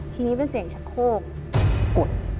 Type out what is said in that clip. ทีนี้เป็นเสียงชะโคกกด